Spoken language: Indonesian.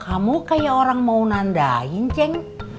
kamu kayak orang mau nandain ceng